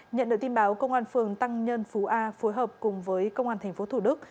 nhận được tin báo công an phường tăng nhân phú a phối hợp cùng với công an tp thủ đức